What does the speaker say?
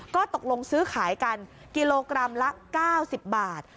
ก็ตกลงซื้อขายกันกิโลกรัมละ๙๐บาท